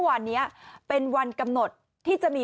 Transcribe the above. เมื่อวันเนี้ยเป็นวันกำหนดที่จะมี